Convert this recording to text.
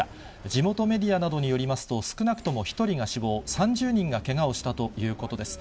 地元メディアなどによりますと、少なくとも１人が死亡、３０人がけがをしたということです。